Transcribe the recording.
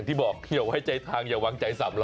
ที่สำคัญว่ามันจะคุ้มฝัน